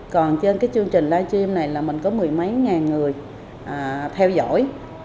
còn trên cái chương trình live stream này là mình có mười mấy ngàn người theo dõi